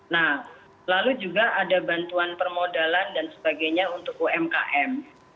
nah lalu juga ada bantuan permodalan dan sebagainya untuk umkm